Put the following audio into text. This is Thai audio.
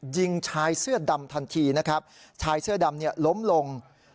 ยิงชายเสื้อดำทันทีนะครับชายเสื้อดำเนี่ยล้มลง